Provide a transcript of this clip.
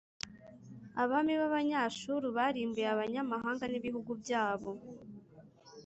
abami b’Abanyashuru barimbuye abanyamahanga n’ibihugu byabo,